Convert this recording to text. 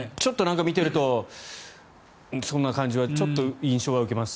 見ていると、そんな感じはちょっと印象は受けます。